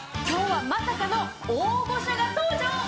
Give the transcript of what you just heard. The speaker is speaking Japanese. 今日はまさかの大御所が登場。